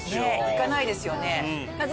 行かないですよね。